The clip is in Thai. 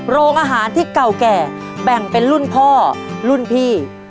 โรงอาหารที่เก่าแก่แบ่งเป็นรุ่นพ่อรุ่นพี่